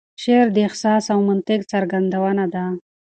شعر د احساس او منطق څرګندونه ده.